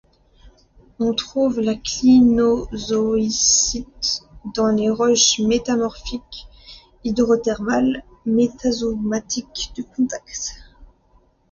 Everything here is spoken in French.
On trouve la clinozoïsite dans les roches métamorphiques, hydrothermales, métasomatiques de contact.